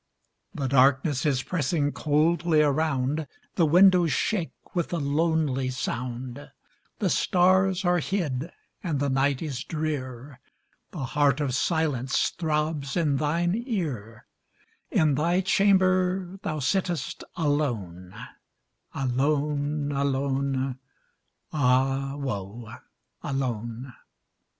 The darkness is pressing coldly around, The windows shake with a lonely sound, The stars are hid and the night is drear, The heart of silence throbs in thine ear, In thy chamber thou sittest alone, Alone, alone, ah woe! alone!